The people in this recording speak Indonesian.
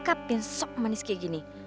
di belakang sikap yang sok manis kayak gini